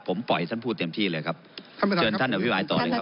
ผมปล่อยท่านพูดเต็มที่เลยครับเชิญท่านอภิปรายต่อเลยครับ